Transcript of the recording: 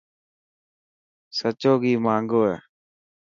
سچو گهي مهانگو هي.